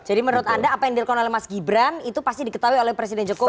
jadi menurut anda apa yang dilakukan oleh mas gibran itu pasti diketahui oleh presiden jokowi